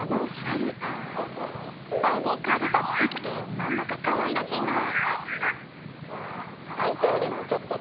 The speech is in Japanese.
あご軽タッチって何だかかわいらしいな。